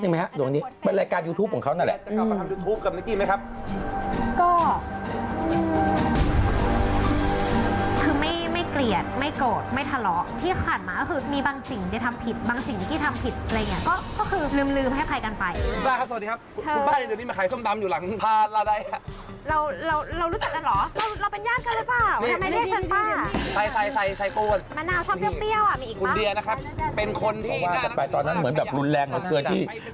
ผมว่าจะไปตอนนั้นเหมือนแบบรุนแรงกว่าเกิดที่